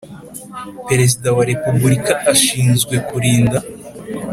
Perezida wa repubulika ashinzwe kurinda